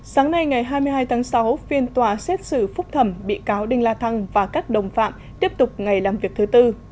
sáng nay ngày hai mươi hai tháng sáu phiên tòa xét xử phúc thẩm bị cáo đinh la thăng và các đồng phạm tiếp tục ngày làm việc thứ tư